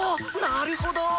なるほど！